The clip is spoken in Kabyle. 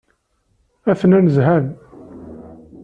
Atnan zhan.